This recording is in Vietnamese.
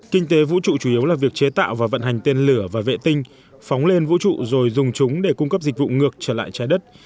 kinh tế vũ trụ chủ yếu là việc chế tạo và vận hành tên lửa và vệ tinh phóng lên vũ trụ rồi dùng chúng để cung cấp dịch vụ ngược trở lại trái đất